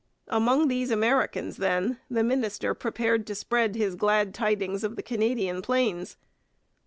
Among these Americans, then, the minister prepared to spread his glad tidings of the Canadian plains.